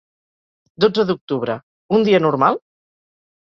Dotze d’octubre, un dia normal?